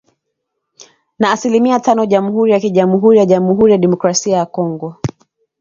na asilimia tano Jamhuri ya KiJamuhuri ya Jamuhuri ya Demokrasia ya Kongo